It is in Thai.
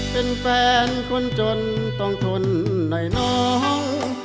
เป็นแฟนคนจนต้องทนหน่อยน้อง